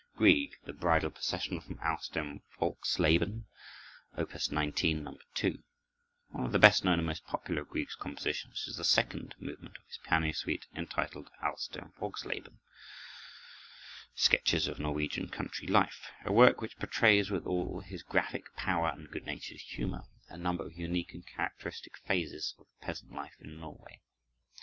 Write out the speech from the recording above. Grieg: The Bridal Procession, from "Aus dem Volksleben." Op. 19, No. 2 One of the best known and most popular of Grieg's compositions is the second movement of his piano suite entitled "Aus dem Volksleben" (sketches of Norwegian country life), a work which portrays, with all his graphic power and good natured humor, a number of unique and characteristic phases of the peasant life in Norway.